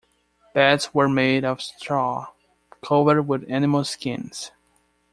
Beds were made of straw, covered with animal skins.